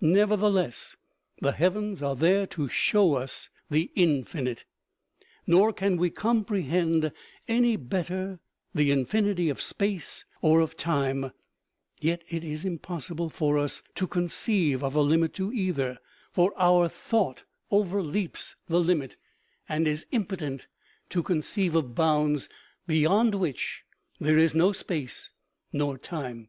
Never theless, the heavens are there to show us the infinite. Nor can we comprehend any better the infinity of space or of time ; yet it is impossible for us to conceive of a limit to either, for our thought overleaps the limit, and is OMEGA. 281 impotent to conceive of bounds beyond which there is no space nor time.